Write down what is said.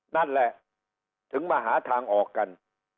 นั่นแหละถึงมาหาทางออกกัน